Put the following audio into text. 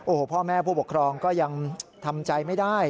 โอ้โหพ่อแม่ผู้ปกครองก็ยังทำใจไม่ได้